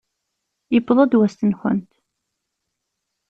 Yewweḍ-d wass-nkent!